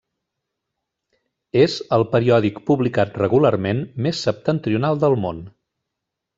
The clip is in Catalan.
És el periòdic publicat regularment més septentrional del món.